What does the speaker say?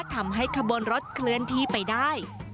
ทำให้ขบวนรถเคลื่อนที่ไปได้